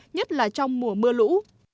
nhất là trong mùa mưa lũ